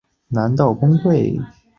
是我们的指标